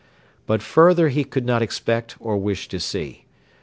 But further he could not expect or wish to see.